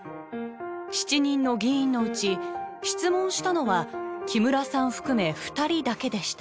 ７人の議員のうち質問したのは木村さん含め２人だけでした。